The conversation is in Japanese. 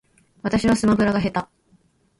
私はスマブラが下手